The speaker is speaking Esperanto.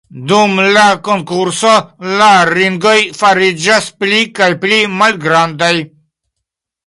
Dum la konkurso la ringoj fariĝas pli kaj pli malgrandaj.